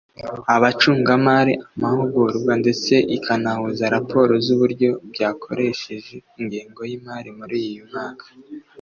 Abacungamari amahugurwa ndetse ikanahuza raporo z uburyo byakoresheje ingengo y imari muri uyu mwaka